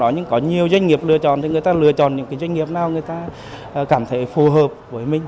nếu người ta lựa chọn những doanh nghiệp nào cảm thấy phù hợp với mình